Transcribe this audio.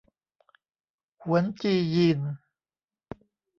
หวนจียีน